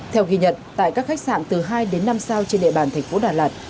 theo ghi nhận tại các khách sạn từ hai đến năm sao trên địa bàn thành phố đà lạt